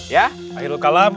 ya akhir kalam